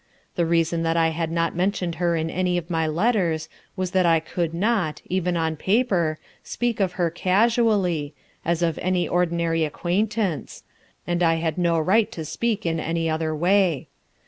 The reason that I had not mentioned her in any of my letters was that I could not, even on paper, speak of her casually, as of any ordinary acquaintance, and I had no right to speak in any other way.